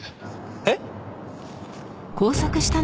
えっ？